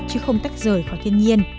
chứ không tách rời khỏi thiên nhiên